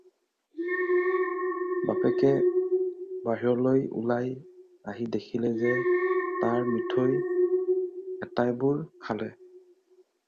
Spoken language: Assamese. বাপেকে বাহিৰলৈ ওলাই আহি দেখিলে যে তাৰ মিঠৈ এটাইবোৰ খালে।